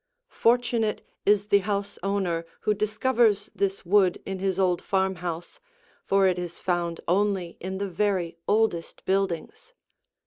Fortunate is the house owner who discovers this wood in his old farmhouse, for it is found only in the very oldest buildings.